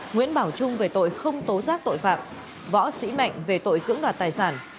nguyễn bảo trung về tội không tố giác tội phạm võ sĩ mạnh về tội cưỡng đoạt tài sản